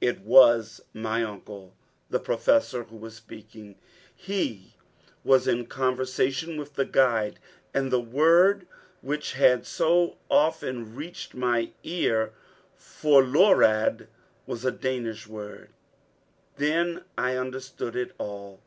It was my uncle, the Professor, who was speaking. He was in conversation with the guide, and the word which had so often reached my ears, forlorad, was a Danish expression. Then I understood it all.